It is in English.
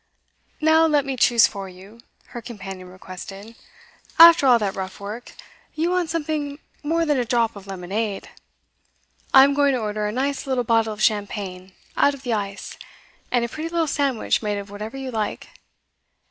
'Now let me choose for you,' her companion requested. 'After all that rough work, you want something more than a drop of lemonade. I'm going to order a nice little bottle of champagne out of the ice, and a pretty little sandwich made of whatever you like.